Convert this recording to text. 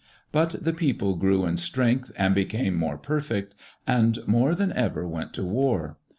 But the people grew in strength, and became more perfect, and more than ever went to war.